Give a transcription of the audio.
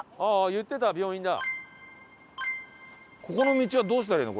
言ってた病院だ。